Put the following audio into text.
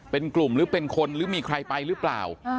เป็นกลุ่มหรือเป็นคนหรือมีใครไปหรือเปล่า